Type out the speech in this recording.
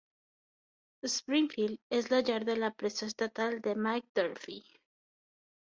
Springfield és la llar de la presó estatal de Mike Durfee.